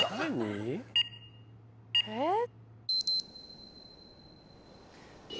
えっ？